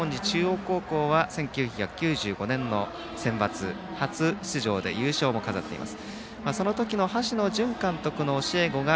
観音寺中央高校は１９９５年の選抜、初出場で初勝利も飾っています。